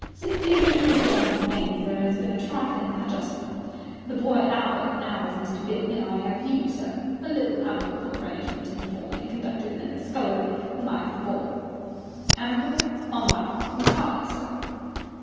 Since the original drawing of names, there 'as been a trifling hadjustment. The boy Albert now 'as Mr. Byng and I 'ave you, sir. A little amicable arrangement informally conducted in the scullery on the night of the ball." "Amicable?" "On my part, entirely so."